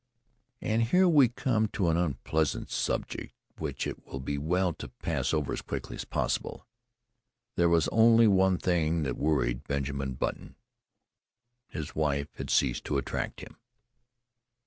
And here we come to an unpleasant subject which it will be well to pass over as quickly as possible. There was only one thing that worried Benjamin Button; his wife had ceased to attract him.